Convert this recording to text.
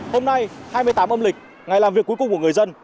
hôm nay hai mươi tám âm lịch ngày làm việc cuối cùng của người dân